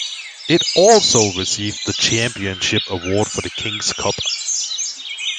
It also received the championship award for the King's Cup.